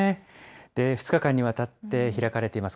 ２日間にわたって開かれています